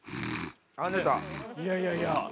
いやいやいや。